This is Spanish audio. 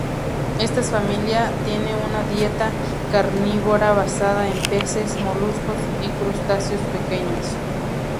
Estas familia tiene una dieta carnívora basada en peces, moluscos y crustáceos pequeños.